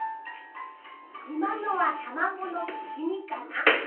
いまのはたまごのきみかな？